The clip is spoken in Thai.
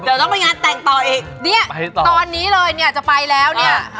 เดี๋ยวต้องไปงานแต่งต่ออีกเนี่ยตอนนี้เลยเนี่ยจะไปแล้วเนี่ย